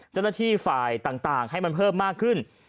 เจ้าหน้าที่ฝ่ายต่างให้มันเพิ่มมากขึ้น